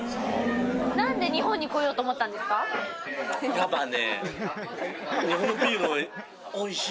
やっぱね。